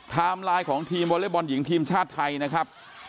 ไลน์ของทีมวอเล็กบอลหญิงทีมชาติไทยนะครับ